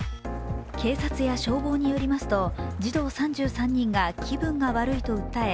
警察や消防によりますと児童３３人が気分が悪いと訴え